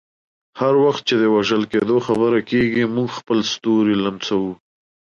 هر وخت چې د وژل کیدو خبره کیږي، موږ خپل ستوري لمسوو.